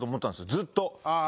ずっと。